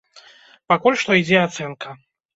Пакуль што ідзе ацэнка.